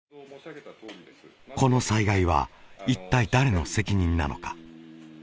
この災害は一体誰の責任なのか？